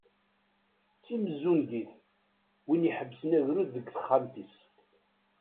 D timezzungit, win iḥebbsen agrud deg texxamt-is.